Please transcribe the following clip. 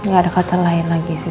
nggak ada kata lain lagi sih